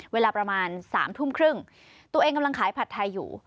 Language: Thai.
เวลาประมาณ๓ทุ่มครึ่งตัวเองกำลังขายผัดไทยอยู่